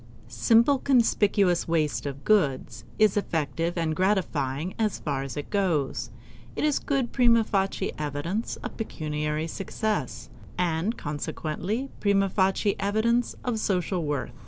Simple conspicuous waste of goods is effective and gratifying as far as it goes; it is good prima facie evidence of pecuniary success, and consequently prima facie evidence of social worth.